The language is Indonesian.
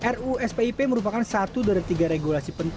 ru spip merupakan satu dari tiga regulasi penting